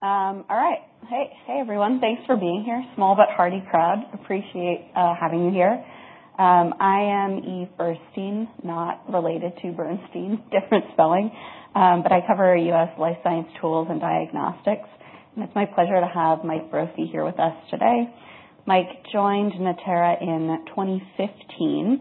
All right. Hey, hey everyone. Thanks for being here. Small but hearty crowd. Appreciate having you here. I am Eve Burstein, not related to Bernstein, different spelling, but I cover U.S. life science tools and diagnostics. And it's my pleasure to have Mike Brophy here with us today. Mike joined Natera in 2015.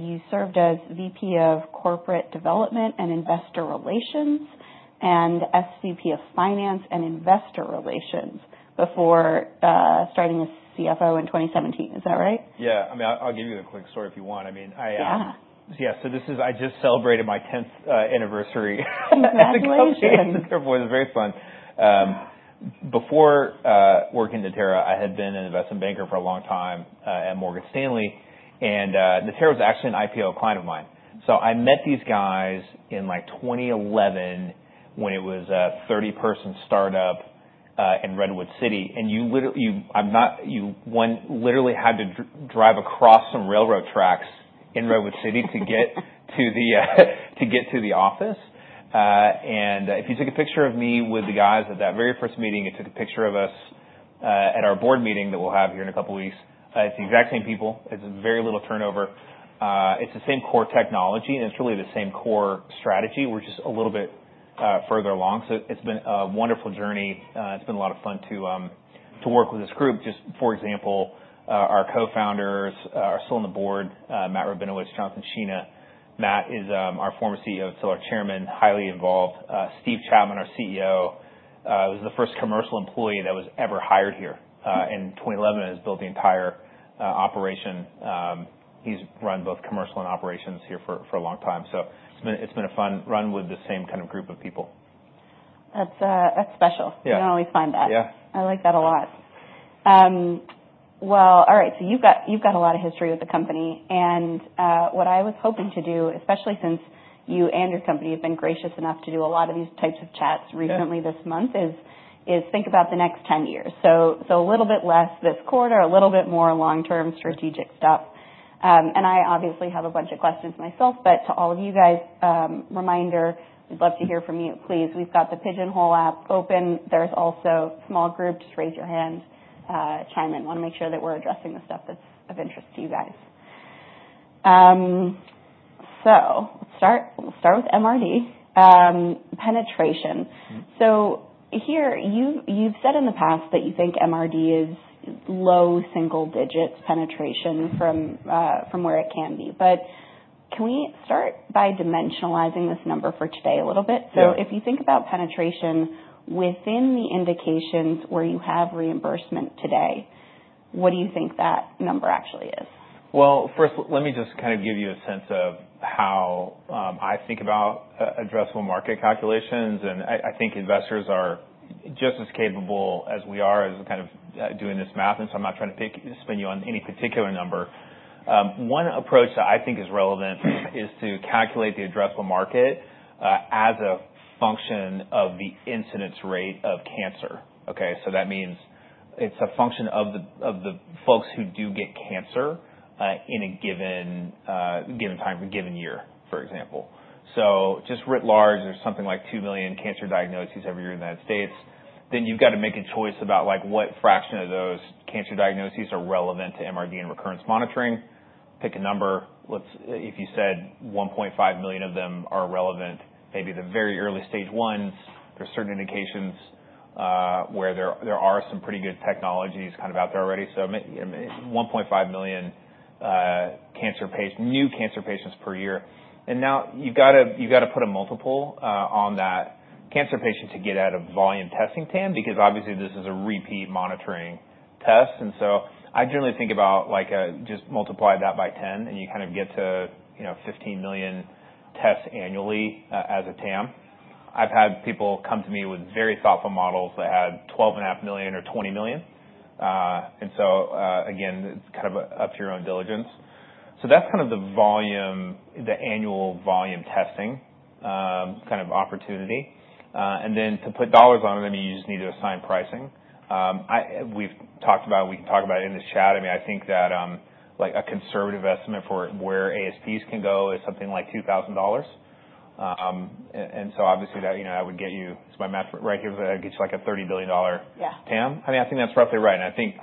You served as VP of Corporate Development and Investor Relations and SVP of Finance and Investor Relations before starting as CFO in 2017. Is that right? Yeah. I mean, I'll give you a quick story if you want. I mean, yeah, so this is. I just celebrated my 10th anniversary. That's amazing. That's a great story. It was very fun. Before working at Natera, I had been an investment banker for a long time at Morgan Stanley. And Natera was actually an IPO client of mine. So I met these guys in like 2011 when it was a 30-person startup in Redwood City. And you literally had to drive across some railroad tracks in Redwood City to get to the office. And if you took a picture of me with the guys at that very first meeting, it took a picture of us at our Board meeting that we'll have here in a couple of weeks. It's the exact same people. It's very little turnover. It's the same core technology. And it's really the same core strategy. We're just a little bit further along. So it's been a wonderful journey. It's been a lot of fun to work with this group. Just for example, our co-founders are still on the Board: Matt Rabinowitz, Jonathan Sheena. Matt is our former CEO, still our Chairman, highly involved. Steve Chapman, our CEO, was the first commercial employee that was ever hired here in 2011 and has built the entire operation. He's run both commercial and operations here for a long time. So it's been a fun run with the same kind of group of people. That's special. You don't always find that. Yeah. I like that a lot, well, all right, so you've got a lot of history with the company, and what I was hoping to do, especially since you and your company have been gracious enough to do a lot of these types of chats recently this month, is think about the next 10 years, so a little bit less this quarter, a little bit more long-term strategic stuff, and I obviously have a bunch of questions myself, but to all of you guys, reminder, we'd love to hear from you. Please, we've got the Pigeonhole app open. There's also small group. Just raise your hand. Chime in, I want to make sure that we're addressing the stuff that's of interest to you guys, so we'll start with MRD penetration, so here, you've said in the past that you think MRD is low single-digit penetration from where it can be. But can we start by dimensionalizing this number for today a little bit? So if you think about penetration within the indications where you have reimbursement today, what do you think that number actually is? First, let me just kind of give you a sense of how I think about addressable market calculations. I think investors are just as capable as we are as kind of doing this math. I'm not trying to spin you on any particular number. One approach that I think is relevant is to calculate the addressable market as a function of the incidence rate of cancer. Okay? That means it's a function of the folks who do get cancer in a given time for a given year, for example. Just writ large, there's something like 2 million cancer diagnoses every year in the United States. Then you've got to make a choice about what fraction of those cancer diagnoses are relevant to MRD and recurrence monitoring. Pick a number. If you said 1.5 million of them are relevant, maybe the very early stage ones, there are certain indications where there are some pretty good technologies kind of out there already. So 1.5 million new cancer patients per year. And now you've got to put a multiple on that cancer patient to get at a volume testing TAM because obviously this is a repeat monitoring test. And so I generally think about just multiply that by 10. And you kind of get to 15 million tests annually as a TAM. I've had people come to me with very thoughtful models that had 12.5 million or 20 million. And so again, it's kind of up to your own diligence. So that's kind of the annual volume testing kind of opportunity. And then to put dollars on it, I mean, you just need to assign pricing. We've talked about it. We can talk about it in the chat. I mean, I think that a conservative estimate for where ASPs can go is something like $2,000, and so obviously that I would get you it's my math right here. I'd get you like a $30 billion TAM. I mean, I think that's roughly right, and I think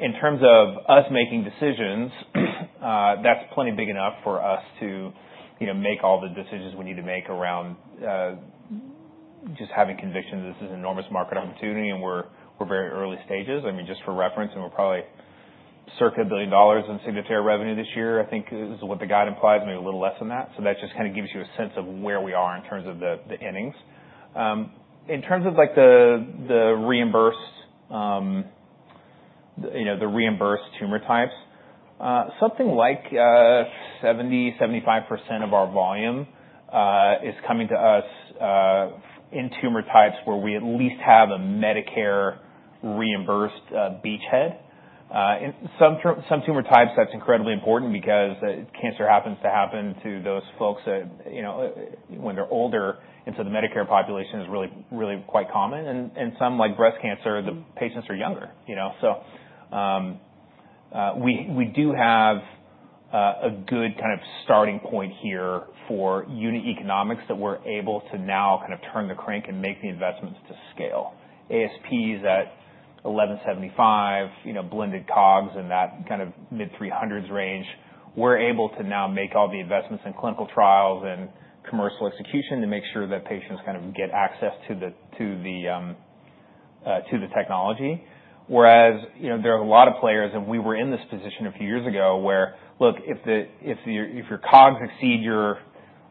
in terms of us making decisions, that's plenty big enough for us to make all the decisions we need to make around just having conviction that this is an enormous market opportunity and we're very early stages. I mean, just for reference, we're probably circa $1 billion in Signatera revenue this year, I think is what the guide implies, maybe a little less than that, so that just kind of gives you a sense of where we are in terms of the innings. In terms of the reimbursed tumor types, something like 70%-75% of our volume is coming to us in tumor types where we at least have a Medicare reimbursed beachhead. In some tumor types, that's incredibly important because cancer happens to happen to those folks when they're older. And so the Medicare population is really quite common. And some like breast cancer, the patients are younger. So we do have a good kind of starting point here for unit economics that we're able to now kind of turn the crank and make the investments to scale. ASPs at $1,175, blended COGS in that kind of mid-300s range, we're able to now make all the investments in clinical trials and commercial execution to make sure that patients kind of get access to the technology. Whereas there are a lot of players, and we were in this position a few years ago where, look, if your COGS exceed your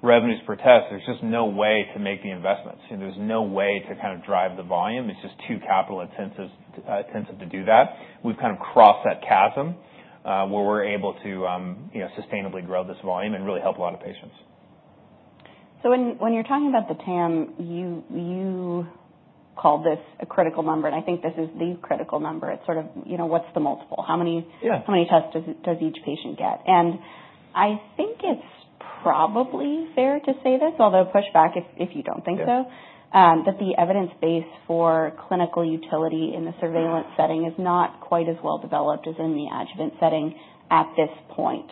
revenues per test, there's just no way to make the investments. There's no way to kind of drive the volume. It's just too capital-intensive to do that. We've kind of crossed that chasm where we're able to sustainably grow this volume and really help a lot of patients. So when you're talking about the TAM, you called this a critical number. And I think this is the critical number. It's sort of what's the multiple? How many tests does each patient get? And I think it's probably fair to say this, although push back if you don't think so, that the evidence base for clinical utility in the surveillance setting is not quite as well developed as in the adjuvant setting at this point.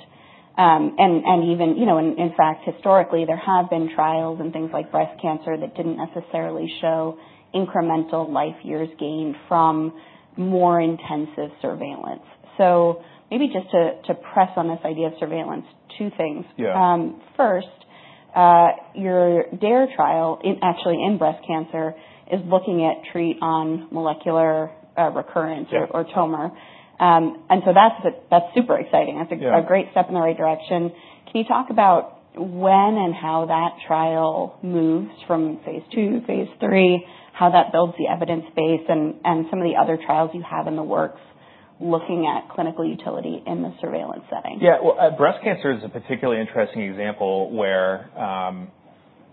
And even, in fact, historically, there have been trials and things like breast cancer that didn't necessarily show incremental life years gained from more intensive surveillance. So maybe just to press on this idea of surveillance, two things. First, your DARE trial, actually in breast cancer, is looking at treat on molecular recurrence or tumor. And so that's super exciting. That's a great step in the right direction. Can you talk about when and how that trial moves from phase II, phase III, how that builds the evidence base, and some of the other trials you have in the works looking at clinical utility in the surveillance setting? Yeah. Well, breast cancer is a particularly interesting example where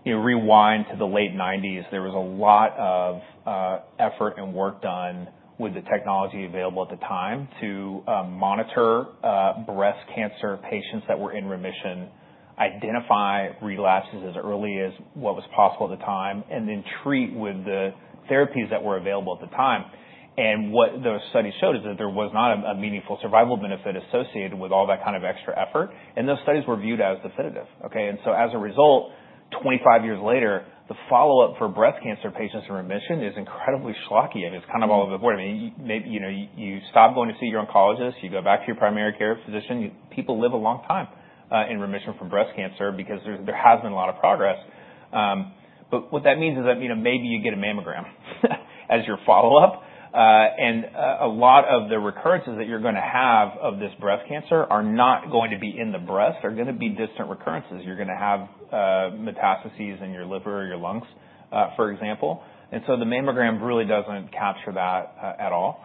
rewind to the late 1990s. There was a lot of effort and work done with the technology available at the time to monitor breast cancer patients that were in remission, identify relapses as early as what was possible at the time, and then treat with the therapies that were available at the time. And what those studies showed is that there was not a meaningful survival benefit associated with all that kind of extra effort. And those studies were viewed as definitive. Okay? And so as a result, 25 years later, the follow-up for breast cancer patients in remission is incredibly schlocky. I mean, it's kind of all over the board. I mean, you stop going to see your oncologist. You go back to your primary care physician. People live a long time in remission from breast cancer because there has been a lot of progress. But what that means is that maybe you get a mammogram as your follow-up. And a lot of the recurrences that you're going to have of this breast cancer are not going to be in the breast. They're going to be distant recurrences. You're going to have metastases in your liver or your lungs, for example. And so the mammogram really doesn't capture that at all.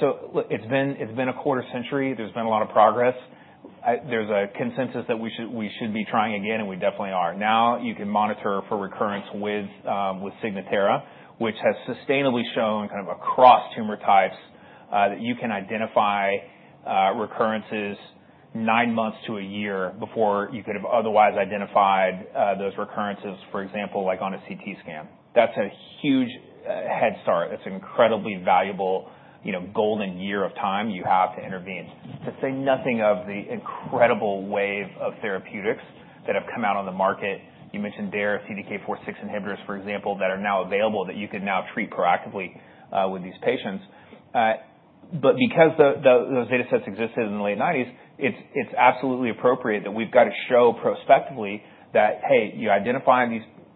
So it's been a quarter century. There's been a lot of progress. There's a consensus that we should be trying again, and we definitely are. Now you can monitor for recurrence with Signatera, which has sustainably shown kind of across tumor types that you can identify recurrences nine months to a year before you could have otherwise identified those recurrences, for example, like on a CT scan. That's a huge head start. That's an incredibly valuable golden year of time you have to intervene. To say nothing of the incredible wave of therapeutics that have come out on the market. You mentioned DARE, CDK4/6 inhibitors, for example, that are now available that you can now treat proactively with these patients. But because those data sets existed in the late 1990s, it's absolutely appropriate that we've got to show prospectively that, hey, you identify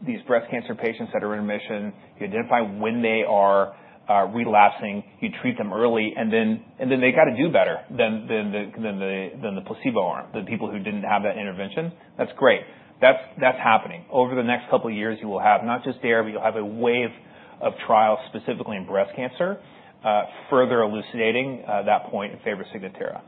these breast cancer patients that are in remission. You identify when they are relapsing. You treat them early. Then they got to do better than the placebo arm, the people who didn't have that intervention. That's great. That's happening. Over the next couple of years, you will have not just DARE, but you'll have a wave of trials specifically in breast cancer further elucidating that point in favor of Signatera.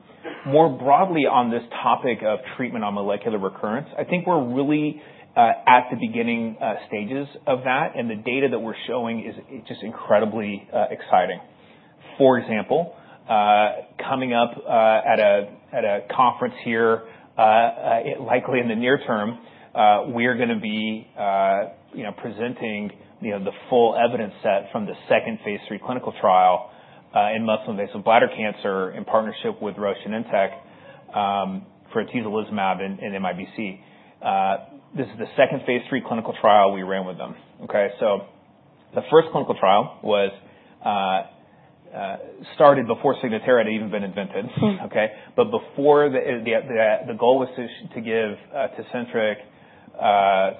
More broadly on this topic of treatment on molecular recurrence, I think we're really at the beginning stages of that. And the data that we're showing is just incredibly exciting. For example, coming up at a conference here, likely in the near term, we are going to be presenting the full evidence set from the second phase III clinical trial in muscle-invasive bladder cancer in partnership with Roche IMvigor for atezolizumab in MIBC. This is the second phase III clinical trial we ran with them. Okay? So the first clinical trial started before Signatera had even been invented. Okay? But the goal was to give Tecentriq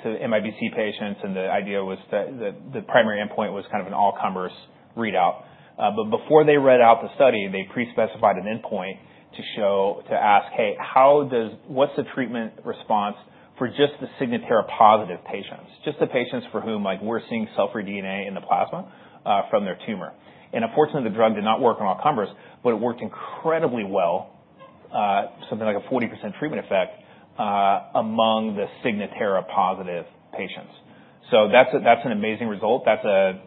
to MIBC patients. And the idea was that the primary endpoint was kind of an all-comers readout. But before they read out the study, they pre-specified an endpoint to ask, hey, what's the treatment response for just the Signatera-positive patients? Just the patients for whom we're seeing cell-free DNA in the plasma from their tumor. And unfortunately, the drug did not work on all-comers, but it worked incredibly well, something like a 40% treatment effect among the Signatera-positive patients. So that's an amazing result. That's a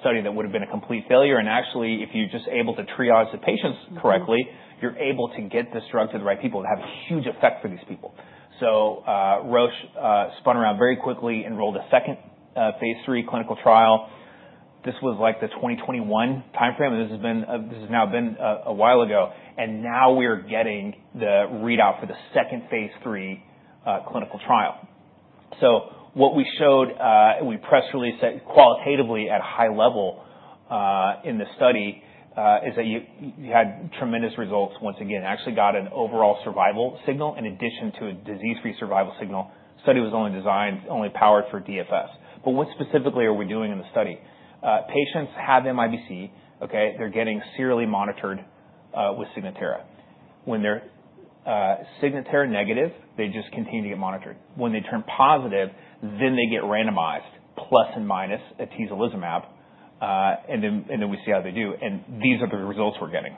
study that would have been a complete failure. And actually, if you're just able to triage the patients correctly, you're able to get this drug to the right people and have a huge effect for these people. So Roche spun around very quickly, enrolled a second phase III clinical trial. This was like the 2021 timeframe. And this has now been a while ago. And now we are getting the readout for the second phase III clinical trial. So what we showed, and we press released qualitatively at a high level in the study, is that you had tremendous results once again. Actually got an overall survival signal in addition to a disease-free survival signal. Study was only powered for DFS. But what specifically are we doing in the study? Patients have MIBC. Okay? They're getting serially monitored with Signatera. When they're Signatera negative, they just continue to get monitored. When they turn positive, then they get randomized plus and minus atezolizumab. And then we see how they do. And these are the results we're getting.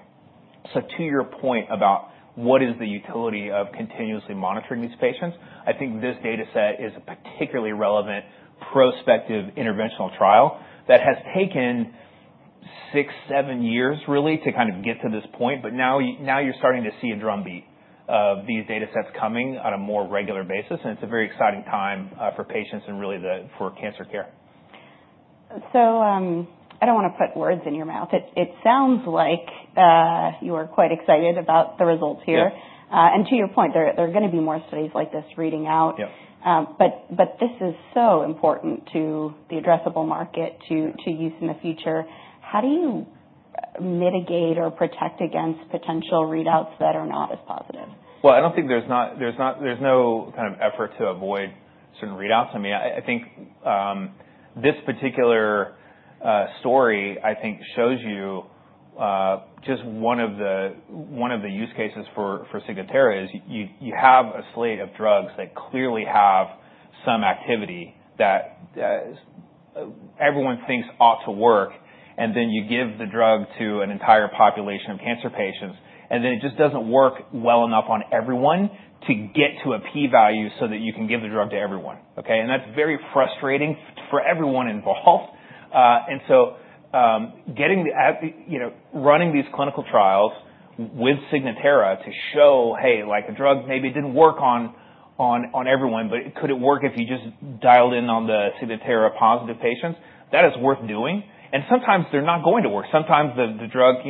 So, to your point about what is the utility of continuously monitoring these patients, I think this data set is a particularly relevant prospective interventional trial that has taken six, seven years really to kind of get to this point. But now you're starting to see a drumbeat of these data sets coming on a more regular basis. And it's a very exciting time for patients and really for cancer care. So I don't want to put words in your mouth. It sounds like you are quite excited about the results here. And to your point, there are going to be more studies like this reading out. But this is so important to the addressable market, to use in the future. How do you mitigate or protect against potential readouts that are not as positive? I don't think there's no kind of effort to avoid certain readouts. I mean, I think this particular story, I think, shows you just one of the use cases for Signatera is you have a slate of drugs that clearly have some activity that everyone thinks ought to work. And then you give the drug to an entire population of cancer patients. And then it just doesn't work well enough on everyone to get to a p-value so that you can give the drug to everyone. Okay? And that's very frustrating for everyone involved. And so running these clinical trials with Signatera to show, hey, like a drug maybe didn't work on everyone, but could it work if you just dialed in on the Signatera-positive patients? That is worth doing. And sometimes they're not going to work. Sometimes the drug,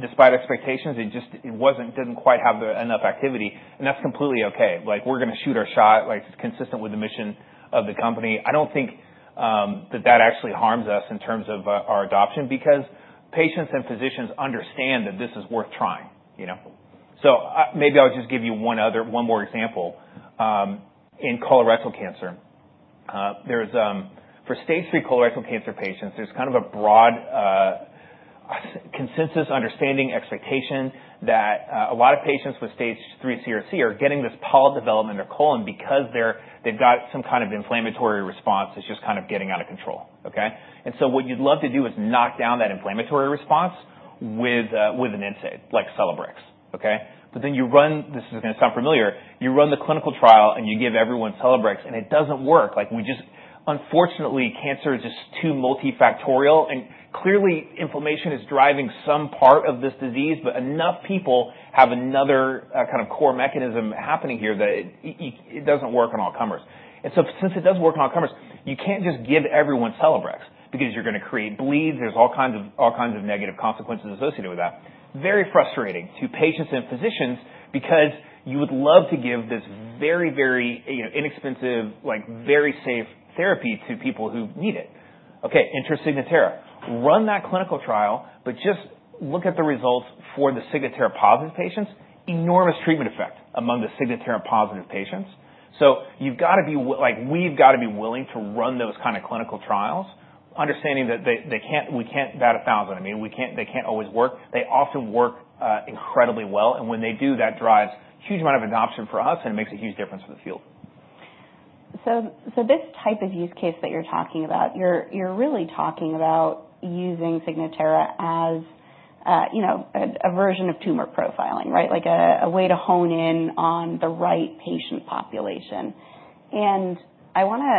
despite expectations, it just didn't quite have enough activity. And that's completely okay. We're going to shoot our shot consistent with the mission of the company. I don't think that that actually harms us in terms of our adoption because patients and physicians understand that this is worth trying. So maybe I'll just give you one more example. In colorectal cancer, for Stage III colorectal cancer patients, there's kind of a broad consensus, understanding, expectation that a lot of patients with stage III CRC are getting this polyp development in their colon because they've got some kind of inflammatory response that's just kind of getting out of control. Okay? And so what you'd love to do is knock down that inflammatory response with an NSAID like Celebrex. Okay? But then you run. This is going to sound familiar. You run the clinical trial and you give everyone Celebrex and it doesn't work. Unfortunately, cancer is just too multifactorial. And clearly, inflammation is driving some part of this disease, but enough people have another kind of core mechanism happening here that it doesn't work on all-comers. And so since it does work on all-comers, you can't just give everyone Celebrex because you're going to create bleeds. There's all kinds of negative consequences associated with that. Very frustrating to patients and physicians because you would love to give this very, very inexpensive, very safe therapy to people who need it. Okay? Enter Signatera. Run that clinical trial, but just look at the results for the Signatera-positive patients. Enormous treatment effect among the Signatera-positive patients. So you've got to be, we've got to be willing to run those kind of clinical trials, understanding that we can't bat a thousand. I mean, they can't always work. They often work incredibly well. And when they do, that drives a huge amount of adoption for us. And it makes a huge difference for the field. So this type of use case that you're talking about, you're really talking about using Signatera as a version of tumor profiling, right? Like a way to hone in on the right patient population. And I want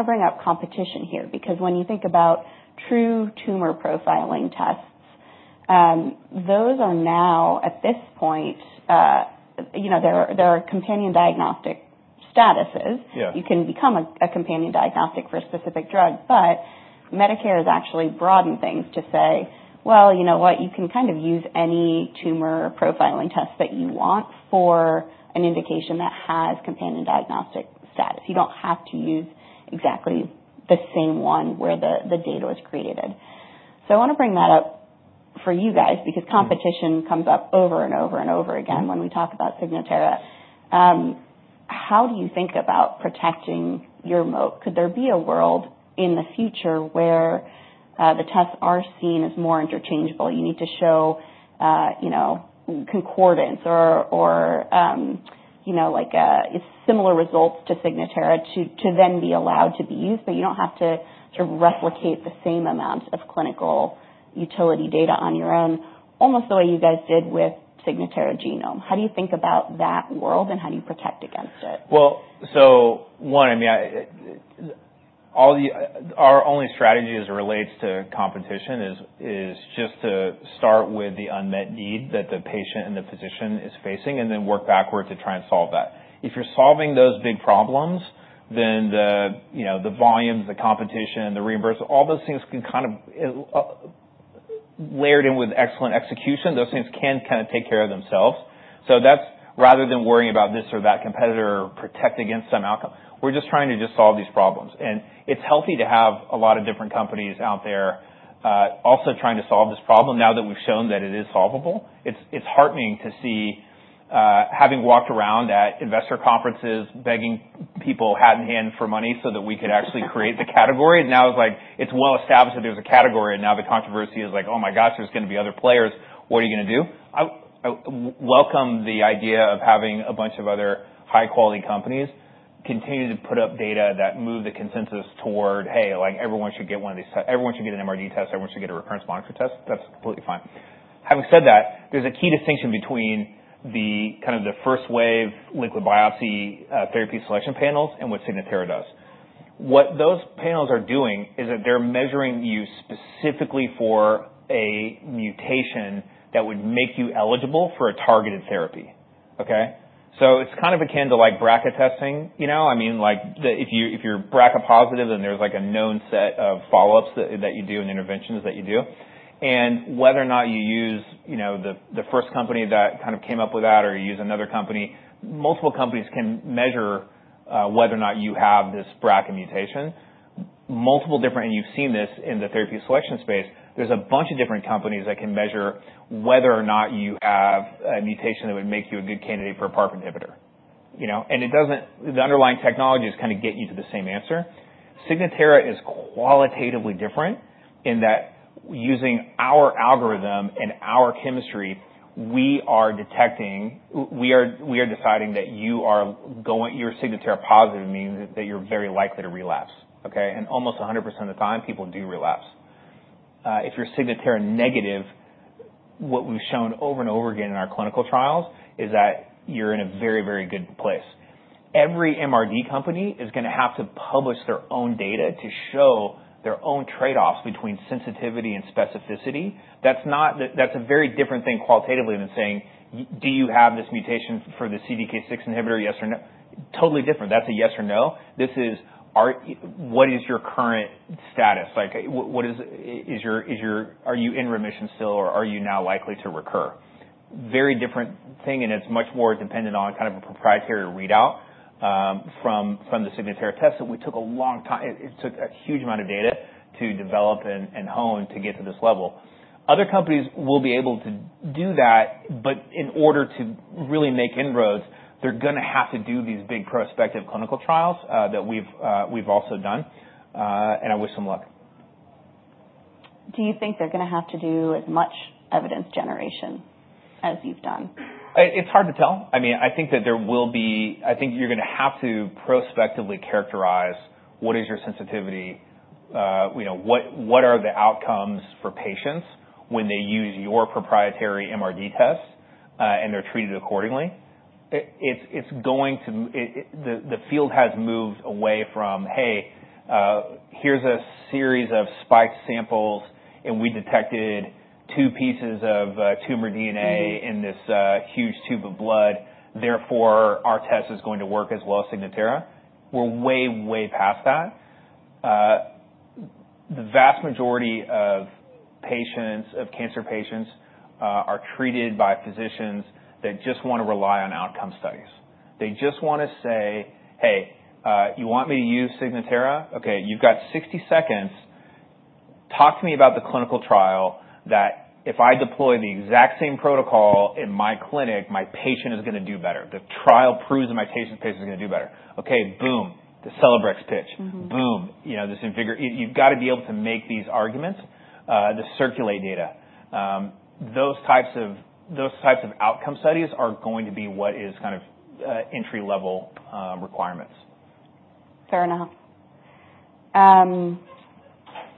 to bring up competition here because when you think about true tumor profiling tests, those are now, at this point, there are companion diagnostic statuses. You can become a companion diagnostic for a specific drug. But Medicare has actually broadened things to say, well, you know what? You can kind of use any tumor profiling test that you want for an indication that has companion diagnostic status. You don't have to use exactly the same one where the data was created. So I want to bring that up for you guys because competition comes up over and over and over again when we talk about Signatera. How do you think about protecting your moat? Could there be a world in the future where the tests are seen as more interchangeable? You need to show concordance or similar results to Signatera to then be allowed to be used. But you don't have to sort of replicate the same amount of clinical utility data on your own, almost the way you guys did with Signatera genome. How do you think about that world and how do you protect against it? Well, so one, I mean, our only strategy as it relates to competition is just to start with the unmet need that the patient and the physician is facing and then work backward to try and solve that. If you're solving those big problems, then the volumes, the competition, the reimbursement, all those things can kind of layered in with excellent execution, those things can kind of take care of themselves. So that's rather than worrying about this or that competitor or protect against some outcome. We're just trying to just solve these problems. And it's healthy to have a lot of different companies out there also trying to solve this problem now that we've shown that it is solvable. It's heartening to see, having walked around at investor conferences begging people, hat in hand for money so that we could actually create the category. Now it's like it's well established that there's a category. Now the controversy is like, "Oh my gosh, there's going to be other players. What are you going to do?" Welcome the idea of having a bunch of other high-quality companies continue to put up data that move the consensus toward, hey, everyone should get one of these tests. Everyone should get an MRD test. Everyone should get a recurrence monitor test. That's completely fine. Having said that, there's a key distinction between the kind of first wave liquid biopsy therapy selection panels and what Signatera does. What those panels are doing is that they're measuring you specifically for a mutation that would make you eligible for a targeted therapy. Okay? So it's kind of akin to like BRCA testing. I mean, if you're BRCA positive, then there's like a known set of follow-ups that you do and interventions that you do. And whether or not you use the first company that kind of came up with that or you use another company, multiple companies can measure whether or not you have this BRCA mutation. And you've seen this in the therapy selection space. There's a bunch of different companies that can measure whether or not you have a mutation that would make you a good candidate for a PARP inhibitor. And the underlying technology is kind of getting you to the same answer. Signatera is qualitatively different in that using our algorithm and our chemistry, you're Signatera positive means that you're very likely to relapse. Okay? And almost 100% of the time, people do relapse. If you're Signatera negative, what we've shown over and over again in our clinical trials is that you're in a very, very good place. Every MRD company is going to have to publish their own data to show their own trade-offs between sensitivity and specificity. That's a very different thing qualitatively than saying, "Do you have this mutation for the CDK6 inhibitor? Yes or no?" Totally different. That's a yes or no. This is, "What is your current status? Are you in remission still or are you now likely to recur?" Very different thing. And it's much more dependent on kind of a proprietary readout from the Signatera test. And we took a long time. It took a huge amount of data to develop and hone to get to this level. Other companies will be able to do that. But in order to really make inroads, they're going to have to do these big prospective clinical trials that we've also done. And I wish them luck. Do you think they're going to have to do as much evidence generation as you've done? It's hard to tell. I mean, I think that there will be. I think you're going to have to prospectively characterize what is your sensitivity, what are the outcomes for patients when they use your proprietary MRD test and they're treated accordingly. It's going to. The field has moved away from, "Hey, here's a series of spiked samples and we detected two pieces of tumor DNA in this huge tube of blood. Therefore, our test is going to work as well as Signatera." We're way, way past that. The vast majority of cancer patients are treated by physicians that just want to rely on outcome studies. They just want to say, "Hey, you want me to use Signatera? Okay. You've got 60 seconds. Talk to me about the clinical trial that if I deploy the exact same protocol in my clinic, my patient is going to do better. The trial proves that my patient is going to do better." Okay. Boom. The Celebrex pitch. Boom. You've got to be able to make these arguments to circulate data. Those types of outcome studies are going to be what is kind of entry-level requirements. Fair enough.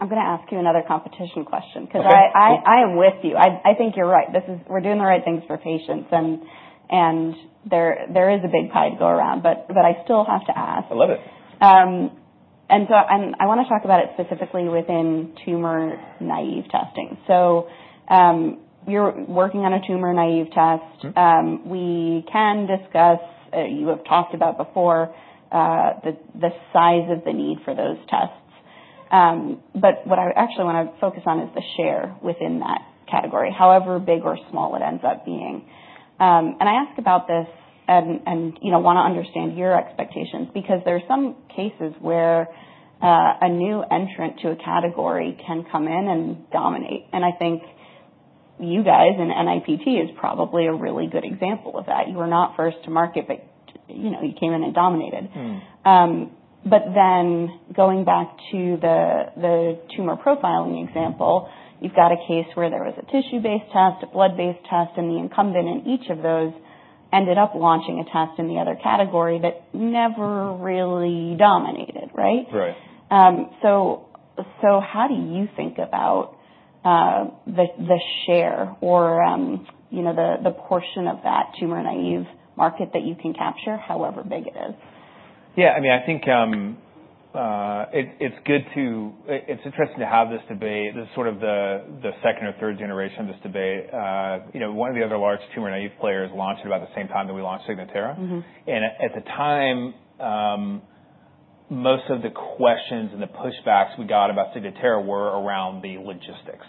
I'm going to ask you another competition question because I am with you. I think you're right. We're doing the right things for patients, and there is a big pie to go around, but I still have to ask. I love it. And so I want to talk about it specifically within tumor-naive testing. So you're working on a tumor-naive test. We can discuss, you have talked about before the size of the need for those tests. But what I actually want to focus on is the share within that category, however big or small it ends up being. And I ask about this and want to understand your expectations because there are some cases where a new entrant to a category can come in and dominate. And I think you guys in NIPT is probably a really good example of that. You were not first to market, but you came in and dominated. But then going back to the tumor profiling example, you've got a case where there was a tissue-based test, a blood-based test, and the incumbent in each of those ended up launching a test in the other category that never really dominated, right? Right. So how do you think about the share or the portion of that tumor-naive market that you can capture, however big it is? Yeah. I mean, I think it's good to. It's interesting to have this debate. This is sort of the second or third generation of this debate. One of the other large tumor-naive players launched it about the same time that we launched Signatera. And at the time, most of the questions and the pushbacks we got about Signatera were around the logistics.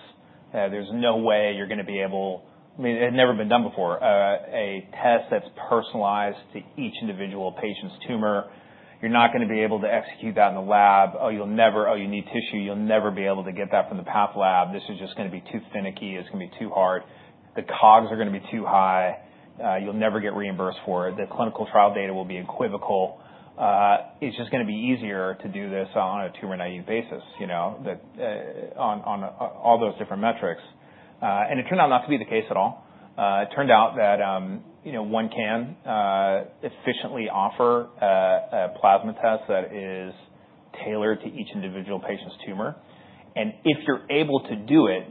There's no way you're going to be able. I mean, it had never been done before. A test that's personalized to each individual patient's tumor, you're not going to be able to execute that in the lab. Oh, you'll never. Oh, you need tissue. You'll never be able to get that from the path lab. This is just going to be too finicky. It's going to be too hard. The COGS are going to be too high. You'll never get reimbursed for it. The clinical trial data will be equivocal. It's just going to be easier to do this on a tumor-naive basis on all those different metrics. And it turned out not to be the case at all. It turned out that one can efficiently offer a plasma test that is tailored to each individual patient's tumor. And if you're able to do it,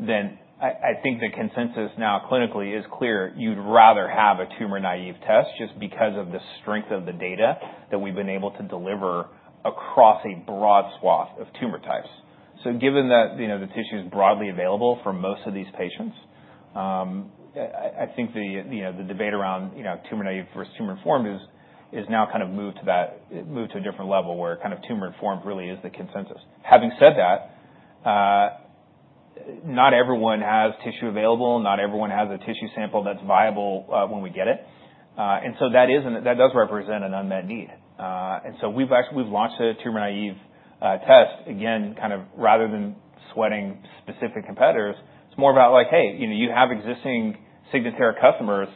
then I think the consensus now clinically is clear. You'd rather have a tumor-naive test just because of the strength of the data that we've been able to deliver across a broad swath of tumor types. So given that the tissue is broadly available for most of these patients, I think the debate around tumor-naive versus tumor-informed has now kind of moved to a different level where kind of tumor-informed really is the consensus. Having said that, not everyone has tissue available. Not everyone has a tissue sample that's viable when we get it. And so that does represent an unmet need. And so we've launched a tumor-naive test. Again, kind of rather than sweating specific competitors, it's more about like, "Hey, you have existing Signatera customers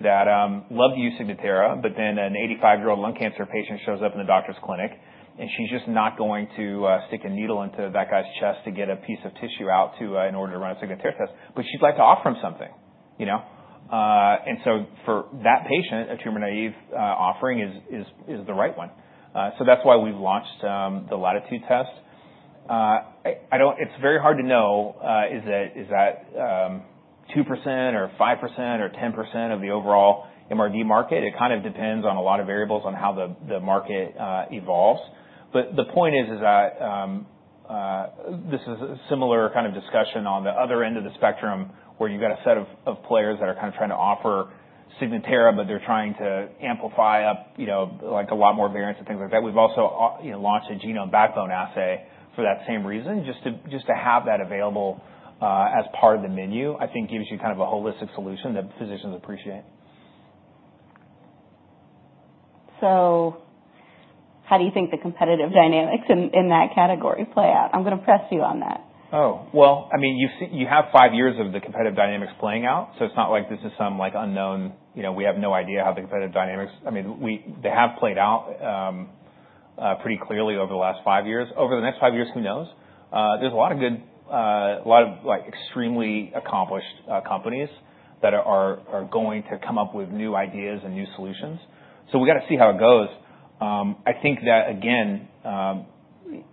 that love to use Signatera, but then an 85-year-old lung cancer patient shows up in the doctor's clinic and she's just not going to stick a needle into that guy's chest to get a piece of tissue out in order to run a Signatera test. But she'd like to offer him something." And so for that patient, a tumor-naive offering is the right one. So that's why we've launched the Latitude test. It's very hard to know, is that 2% or 5% or 10% of the overall MRD market. It kind of depends on a lot of variables on how the market evolves. But the point is that this is a similar kind of discussion on the other end of the spectrum where you've got a set of players that are kind of trying to offer Signatera, but they're trying to amplify up a lot more variants and things like that. We've also launched a genome backbone assay for that same reason. Just to have that available as part of the menu, I think, gives you kind of a holistic solution that physicians appreciate. So how do you think the competitive dynamics in that category play out? I'm going to press you on that. Oh, well, I mean, you have five years of the competitive dynamics playing out. So it's not like this is some unknown. We have no idea how the competitive dynamics - I mean, they have played out pretty clearly over the last five years. Over the next five years, who knows? There's a lot of good, a lot of extremely accomplished companies that are going to come up with new ideas and new solutions. So we got to see how it goes. I think that, again,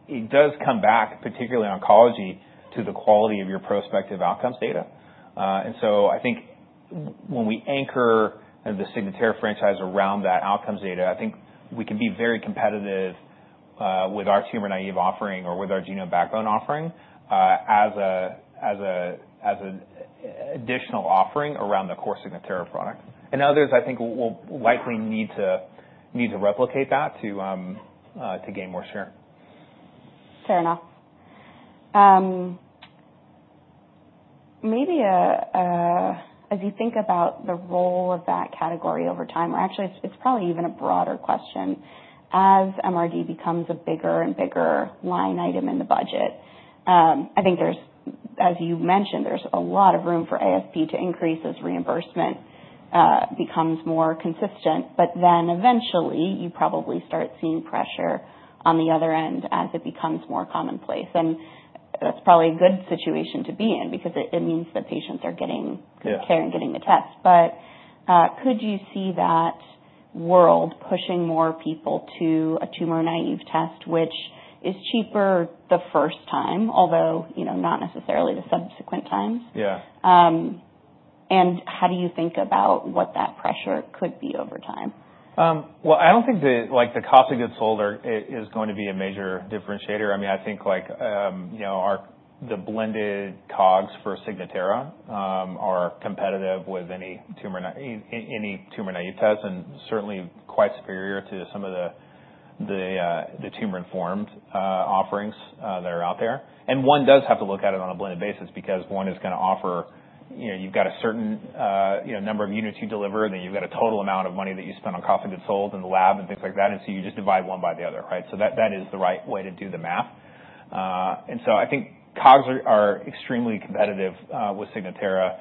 it does come back, particularly oncology, to the quality of your prospective outcomes data. And so I think when we anchor the Signatera franchise around that outcomes data, I think we can be very competitive with our tumor-naive offering or with our genome backbone offering as an additional offering around the core Signatera product. Others, I think, will likely need to replicate that to gain more share. Fair enough. Maybe as you think about the role of that category over time, or actually, it's probably even a broader question, as MRD becomes a bigger and bigger line item in the budget, I think, as you mentioned, there's a lot of room for ASP to increase as reimbursement becomes more consistent. But then eventually, you probably start seeing pressure on the other end as it becomes more commonplace. And that's probably a good situation to be in because it means that patients are getting good care and getting the test. But could you see that world pushing more people to a tumor-naive test, which is cheaper the first time, although not necessarily the subsequent times? Yeah. How do you think about what that pressure could be over time? I don't think the cost of goods sold is going to be a major differentiator. I mean, I think the blended COGS for Signatera are competitive with any tumor-naive test and certainly quite superior to some of the tumor-informed offerings that are out there. One does have to look at it on a blended basis because one is going to offer. You've got a certain number of units you deliver, then you've got a total amount of money that you spend on cost of goods sold in the lab and things like that. You just divide one by the other, right? That is the right way to do the math. I think COGS are extremely competitive with Signatera.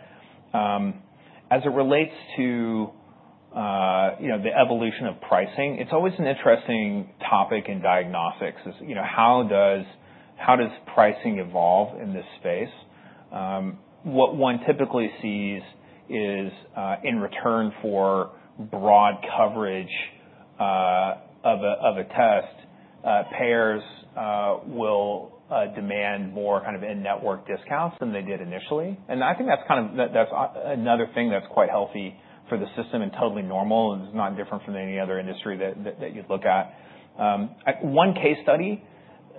As it relates to the evolution of pricing, it's always an interesting topic in diagnostics. How does pricing evolve in this space? What one typically sees is in return for broad coverage of a test, payers will demand more kind of in-network discounts than they did initially. And I think that's kind of another thing that's quite healthy for the system and totally normal. It's not different from any other industry that you'd look at. One case study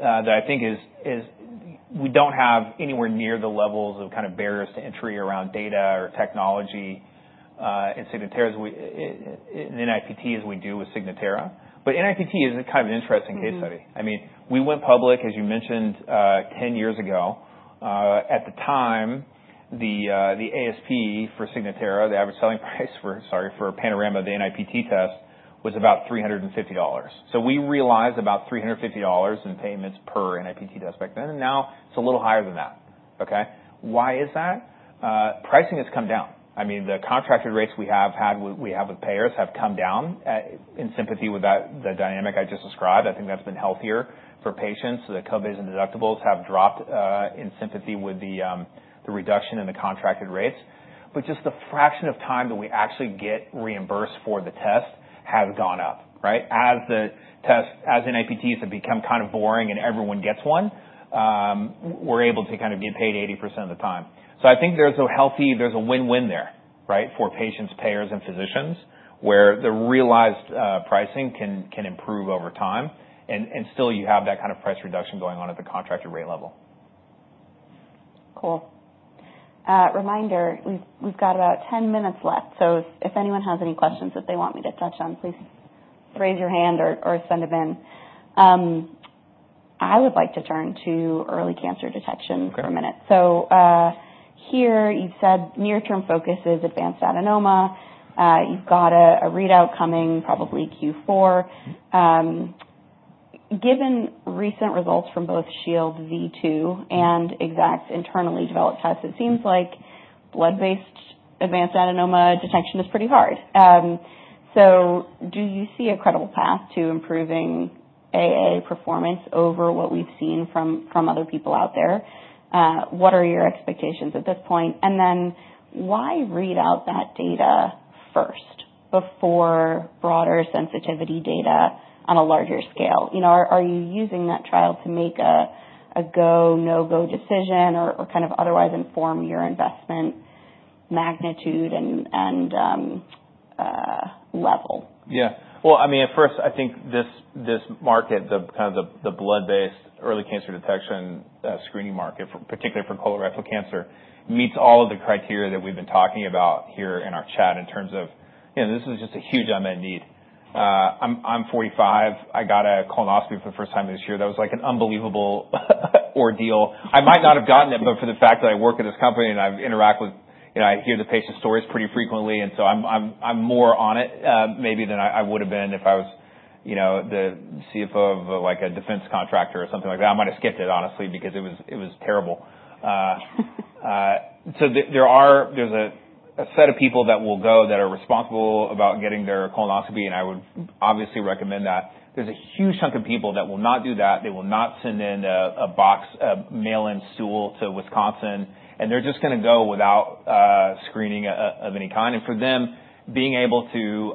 that I think is we don't have anywhere near the levels of kind of barriers to entry around data or technology in NIPT as we do with Signatera. But NIPT is a kind of interesting case study. I mean, we went public, as you mentioned, 10 years ago. At the time, the ASP for Signatera, the average selling price for, sorry, for Panorama, the NIPT test was about $350. So we realized about $350 in payments per NIPT test back then. And now it's a little higher than that. Okay. Why is that? Pricing has come down. I mean, the contracted rates we have had with payers have come down in sympathy with the dynamic I just described. I think that's been healthier for patients, but just the fraction of time that we actually get reimbursed for the test has gone up, right? As NIPTs have become kind of boring and everyone gets one, we're able to kind of get paid 80% of the time, so I think there's a win-win there, right, for patients, payers, and physicians where the realized pricing can improve over time, and still, you have that kind of price reduction going on at the contracted rate level. Cool. Reminder, we've got about 10 minutes left. So if anyone has any questions that they want me to touch on, please raise your hand or send them in. I would like to turn to early cancer detection for a minute. So here you've said near-term focus is advanced adenoma. You've got a readout coming, probably Q4. Given recent results from both Shield V2 and Exact's internally developed tests, it seems like blood-based advanced adenoma detection is pretty hard. So do you see a credible path to improving AA performance over what we've seen from other people out there? What are your expectations at this point? And then why read out that data first before broader sensitivity data on a larger scale? Are you using that trial to make a go, no-go decision or kind of otherwise inform your investment magnitude and level? Yeah. Well, I mean, at first, I think this market, kind of the blood-based early cancer detection screening market, particularly for colorectal cancer, meets all of the criteria that we've been talking about here in our chat in terms of this is just a huge unmet need. I'm 45. I got a colonoscopy for the first time this year. That was like an unbelievable ordeal. I might not have gotten it, but for the fact that I work at this company and I've interacted with—I hear the patient stories pretty frequently. And so I'm more on it maybe than I would have been if I was the CFO of a defense contractor or something like that. I might have skipped it, honestly, because it was terrible. So there's a set of people that will go that are responsible about getting their colonoscopy, and I would obviously recommend that. There's a huge chunk of people that will not do that. They will not send in a box, a mail-in stool to Wisconsin. And they're just going to go without screening of any kind. And for them, being able to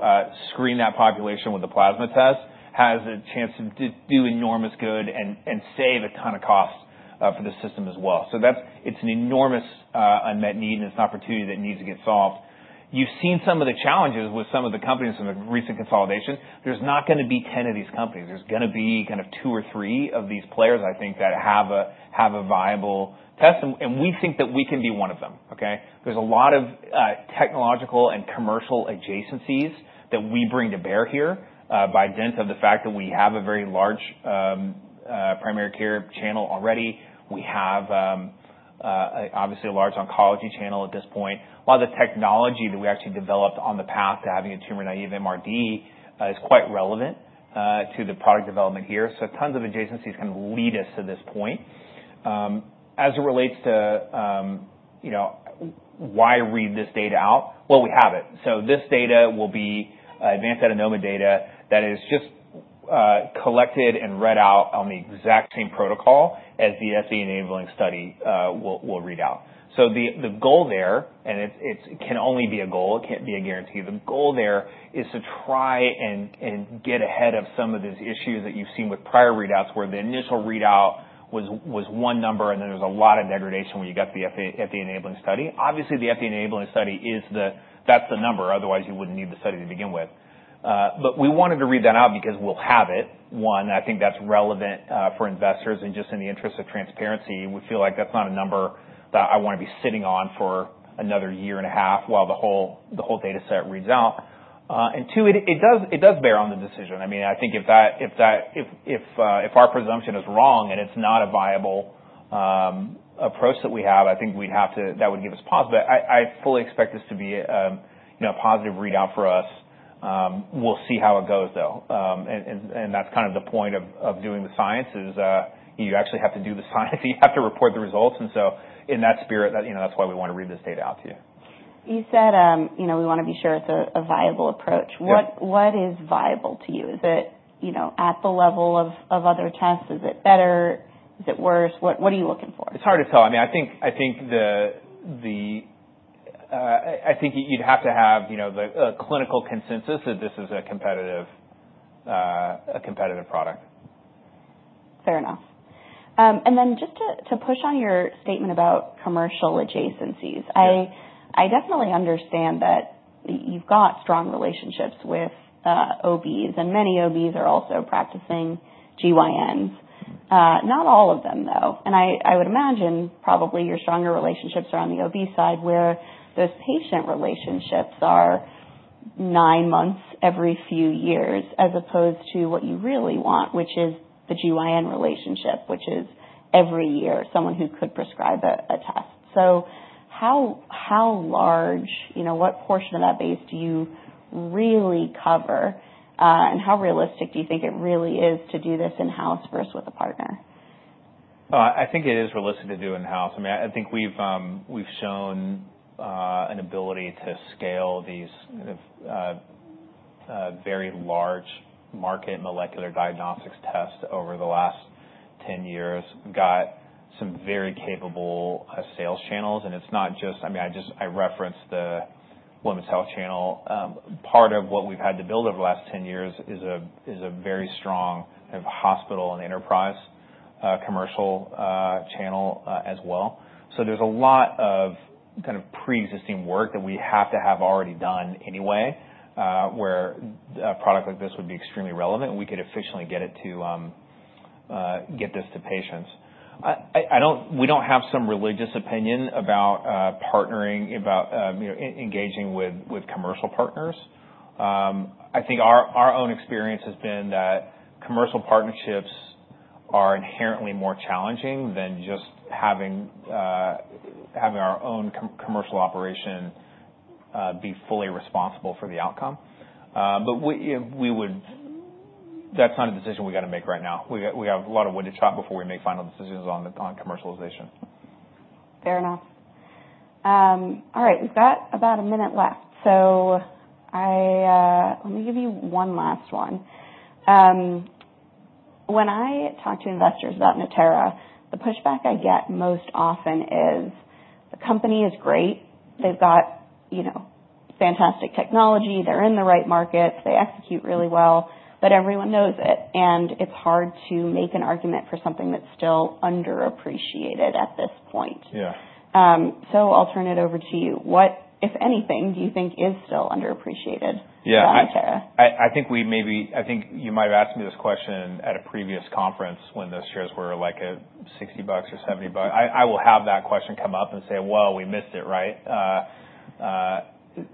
screen that population with a plasma test has a chance to do enormous good and save a ton of cost for the system as well. So it's an enormous unmet need, and it's an opportunity that needs to get solved. You've seen some of the challenges with some of the companies in the recent consolidation. There's not going to be 10 of these companies. There's going to be kind of two or three of these players, I think, that have a viable test. And we think that we can be one of them, okay? There's a lot of technological and commercial adjacencies that we bring to bear here by dint of the fact that we have a very large primary care channel already. We have, obviously, a large oncology channel at this point. A lot of the technology that we actually developed on the path to having a tumor-naive MRD is quite relevant to the product development here. So tons of adjacencies kind of lead us to this point. As it relates to why read this data out? Well, we have it. So this data will be advanced adenoma data that is just collected and read out on the exact same protocol as the FDA enabling study will read out. So the goal there, and it can only be a goal. It can't be a guarantee. The goal there is to try and get ahead of some of these issues that you've seen with prior readouts where the initial readout was one number, and then there was a lot of degradation when you got the FDA enabling study. Obviously, the FDA enabling study, that's the number. Otherwise, you wouldn't need the study to begin with. But we wanted to read that out because we'll have it, one. I think that's relevant for investors. And just in the interest of transparency, we feel like that's not a number that I want to be sitting on for another year and a half while the whole data set reads out. And two, it does bear on the decision. I mean, I think if our presumption is wrong and it's not a viable approach that we have, I think we'd have to—that would give us pause. But I fully expect this to be a positive readout for us. We'll see how it goes, though. And that's kind of the point of doing the science is you actually have to do the science. You have to report the results. And so in that spirit, that's why we want to read this data out to you. You said we want to be sure it's a viable approach. What is viable to you? Is it at the level of other tests? Is it better? Is it worse? What are you looking for? It's hard to tell. I mean, I think you'd have to have a clinical consensus that this is a competitive product. Fair enough. And then just to push on your statement about commercial adjacencies, I definitely understand that you've got strong relationships with OBs, and many OBs are also practicing GYNs. Not all of them, though. And I would imagine probably your stronger relationships are on the OB side where those patient relationships are nine months every few years as opposed to what you really want, which is the GYN relationship, which is every year, someone who could prescribe a test. So how large, what portion of that base do you really cover? And how realistic do you think it really is to do this in-house versus with a partner? I think it is realistic to do in-house. I mean, I think we've shown an ability to scale these very large market molecular diagnostics tests over the last 10 years. We've got some very capable sales channels. And it's not just, I mean, I referenced the Women's Health Channel. Part of what we've had to build over the last 10 years is a very strong kind of hospital and enterprise commercial channel as well. So there's a lot of kind of pre-existing work that we have to have already done anyway where a product like this would be extremely relevant, and we could efficiently get it to get this to patients. We don't have some religious opinion about partnering, about engaging with commercial partners. I think our own experience has been that commercial partnerships are inherently more challenging than just having our own commercial operation be fully responsible for the outcome. But that's not a decision we got to make right now. We have a lot of wood to chop before we make final decisions on commercialization. Fair enough. All right. We've got about a minute left. So let me give you one last one. When I talk to investors about Natera, the pushback I get most often is, "The company is great. They've got fantastic technology. They're in the right markets. They execute really well." But everyone knows it. And it's hard to make an argument for something that's still underappreciated at this point. So I'll turn it over to you. What, if anything, do you think is still underappreciated by Natera? Yeah. I think you might have asked me this question at a previous conference when those shares were like $60 or $70. I will have that question come up and say, "Well, we missed it, right?"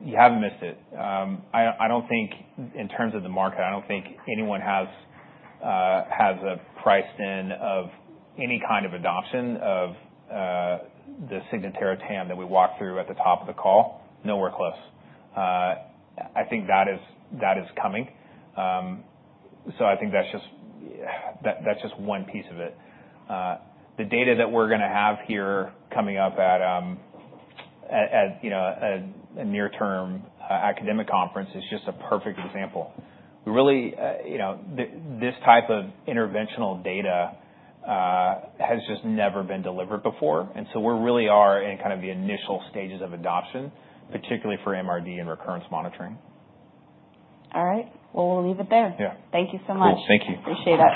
You haven't missed it. I don't think in terms of the market, I don't think anyone has a price-in of any kind of adoption of the Signatera TAM that we walked through at the top of the call. Nowhere close. I think that is coming. So I think that's just one piece of it. The data that we're going to have here coming up at a near-term academic conference is just a perfect example. Really, this type of interventional data has just never been delivered before. And so we really are in kind of the initial stages of adoption, particularly for MRD and recurrence monitoring. All right. Well, we'll leave it there. Thank you so much. Thank you. Appreciate it.